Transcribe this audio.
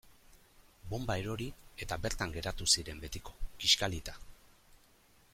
Bonba erori eta bertan geratu ziren betiko, kiskalita.